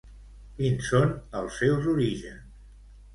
Quins són els seus orígens?